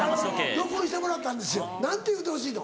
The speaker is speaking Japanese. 録音してもらったんですよ。何て言うてほしいの？